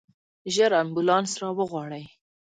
ژر امبولانس راوغواړئ.